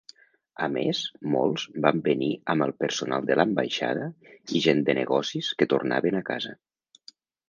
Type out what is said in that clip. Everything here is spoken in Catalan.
A més, molts van venir amb el personal de l'ambaixada i gent de negocis que tornaven a casa.